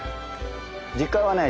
実家はね